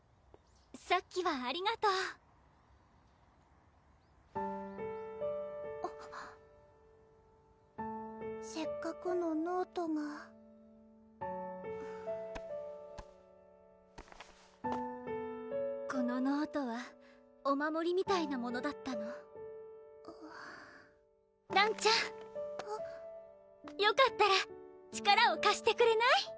さっきはありがとうせっかくのノートがこのノートはお守りみたいなものだったのらんちゃんよかったら力をかしてくれない？